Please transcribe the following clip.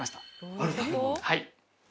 はい。